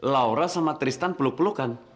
laura sama tristan peluk pelukan